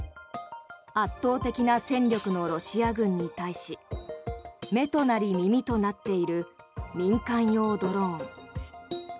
圧倒的な戦力のロシア軍に対し目となり耳となっている民間用ドローン。